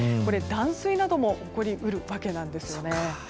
断水なども起こり得るわけなんですね。